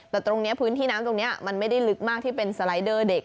แต่ตรงนี้พื้นที่น้ำตรงนี้มันไม่ได้ลึกมากที่เป็นสไลเดอร์เด็ก